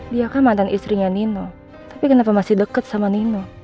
dia kan mantan istrinya nino tapi kenapa masih dekat sama nino